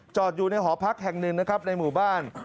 อยู่ในหอพักแห่งหนึ่งนะครับในหมู่บ้าน